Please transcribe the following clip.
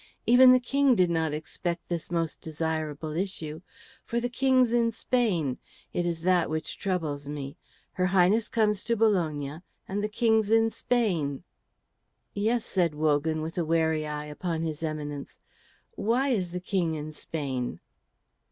Even the King did not expect this most desirable issue. For the King's in Spain. It is that which troubles me. Her Highness comes to Bologna, and the King's in Spain." "Yes," said Wogan, with a wary eye upon his Eminence. "Why is the King in Spain?"